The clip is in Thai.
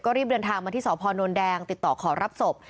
รีบเดินทางมาที่สพนแดงติดต่อขอรับศพ